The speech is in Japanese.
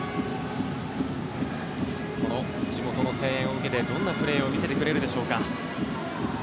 この地元の声援を受けてどんなプレーを見せてくれるでしょうか。